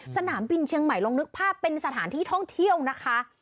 สนามบินเชียงใหม่ลองนึกภาพเป็นสถานที่ท่องเที่ยวนะคะ